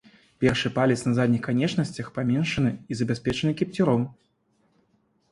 Першы палец на задніх канечнасцях паменшаны і забяспечаны кіпцюром.